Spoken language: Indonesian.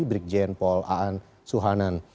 brikjen paul aan suhanan